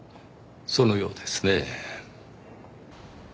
そのようですねぇ。